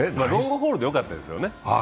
ロングホールでよかったですよね。